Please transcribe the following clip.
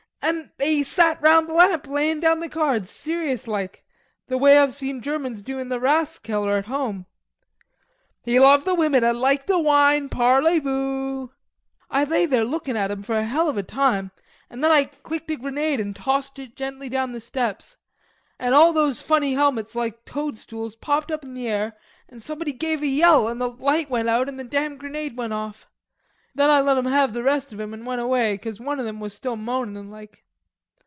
An' they sat round the lamp layin' down the cards serious like, the way I've seen Germans do in the Rathskeller at home." "He loved the women and liked the wine, Parley voo? "I lay there lookin' at 'em for a hell of a time, an' then I clicked a grenade an' tossed it gently down the steps. An' all those funny helmets like toadstools popped up in the air an' somebody gave a yell an' the light went out an' the damn grenade went off. Then I let 'em have the rest of 'em an' went away 'cause one o' 'em was still moanin' like.